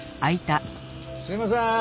すいません！